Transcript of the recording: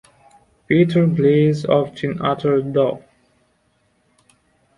Peter Glaze often uttered Doh!